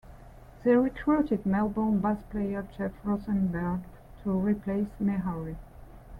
They recruited Melbourne bass player Geoff Rosenberg to replace Meharry.